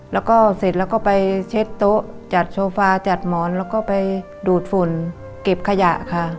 แล้วก็เสร็จแล้วก็ไปเช็ดโต๊ะจัดโซฟาจัดหมอนแล้วก็ไปดูดฝุ่นเก็บขยะค่ะ